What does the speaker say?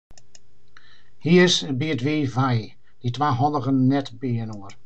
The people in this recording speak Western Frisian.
Hy is by it wiif wei, dy twa handigen net byinoar.